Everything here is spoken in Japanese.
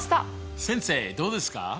先生どうですか？